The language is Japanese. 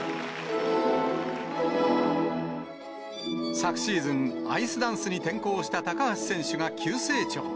昨シーズン、アイスダンスに転向した高橋選手が急成長。